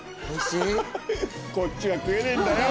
こっちは食えねえんだよ。